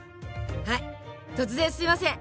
はい突然すみません！